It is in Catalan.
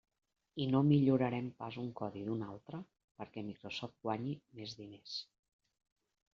I no millorarem pas un codi d'un altre perquè Microsoft guanyi més diners.